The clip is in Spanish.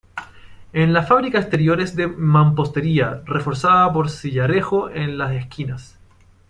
La fábrica exterior es de mampostería, reforzada por sillarejo en las esquinas.